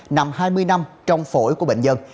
nằm hai mươi năm trong phổi của bệnh nhân